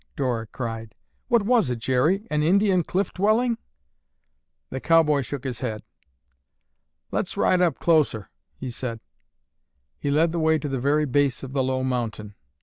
Dora cried. "What was it, Jerry, an Indian cliff dwelling?" The cowboy shook his head. "Let's ride up closer," he said. He led the way to the very base of the low mountain.